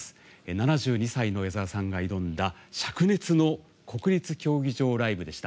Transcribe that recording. ７２歳の矢沢さんが挑んだしゃく熱の国立競技場ライブでした。